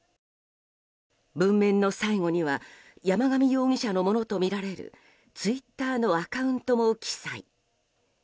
文面の最後には山上容疑者のものとみられるツイッターのアカウントも記載。